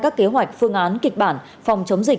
các kế hoạch phương án kịch bản phòng chống dịch